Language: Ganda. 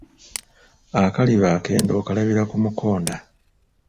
Akaliba akendo okulabira ku mukonda.